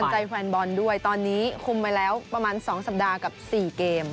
ใจแฟนบอลด้วยตอนนี้คุมไปแล้วประมาณ๒สัปดาห์กับ๔เกม